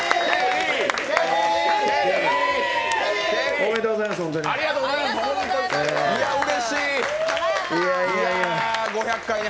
おめでとうございます、ホントに。